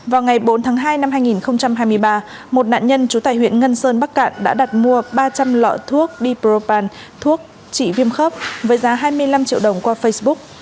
vào ngày bốn tháng hai năm hai nghìn hai mươi ba một nạn nhân trú tại huyện ngân sơn bắc cạn đã đặt mua ba trăm linh lọ thuốc dpropal thuốc chỉ viêm khớp với giá hai mươi năm triệu đồng qua facebook